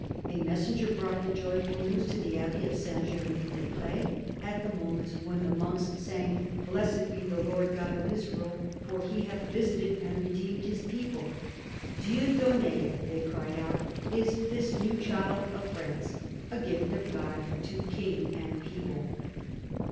A messenger brought the joyful news to the abbey of S. Germain des Pres at the moment when the monks sang "Blessed be the Lord God of Israel, for He hath visited and redeemed His people." Dieu donne, they cried out, is this new child of France — a gift of God to king and people.